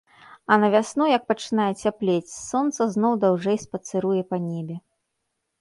А на вясну, як пачынае цяплець, сонца зноў даўжэй спацыруе па небе.